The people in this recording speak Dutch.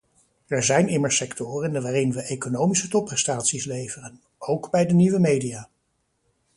Er zijn immers sectoren waarin we economische topprestaties leveren, ook bij de nieuwe media.